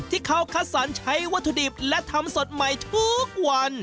ที่เขาคัดสรรใช้วัตถุดิบและทำสดใหม่ทุกวัน